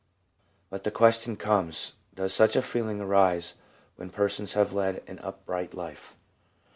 But the question comes, Does such a feeling arise when persons have led an upright life